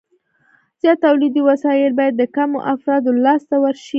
زیات تولیدي وسایل باید د کمو افرادو لاس ته ورشي